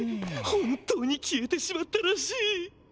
本当に消えてしまったらしい！